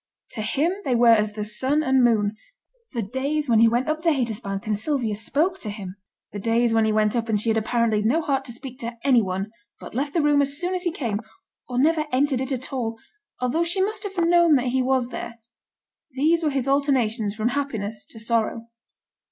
To him they were as the sun and moon. The days when he went up to Haytersbank and Sylvia spoke to him, the days when he went up and she had apparently no heart to speak to any one, but left the room as soon as he came, or never entered it at all, although she must have known that he was there these were his alternations from happiness to sorrow.